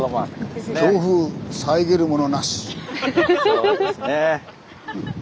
そうですね。